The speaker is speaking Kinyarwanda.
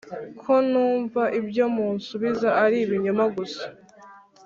Ko numva ibyo munsubiza ari ibinyoma gusa